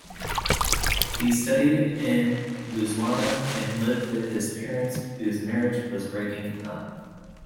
He studied in Lausanne and lived with his parents, whose marriage was breaking up.